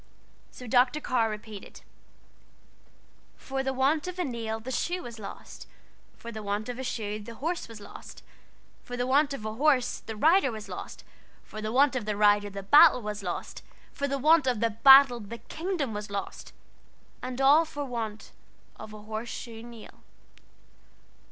So Dr. Carr repeated "For the want of a nail the shoe was lost, For the want of a shoe the horse was lost, For the want of a horse the rider was lost, For the want of a rider the battle was lost, For the want of a battle the kingdom was lost, And all for want of a horse shoe nail."